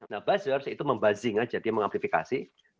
nah buzzer itu membazing aja dia mengamplifikasi